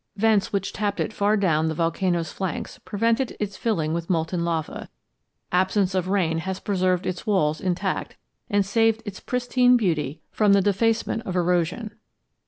Vents which tapped it far down the volcano's flanks prevented its filling with molten lava; absence of rain has preserved its walls intact and saved its pristine beauty from the defacement of erosion.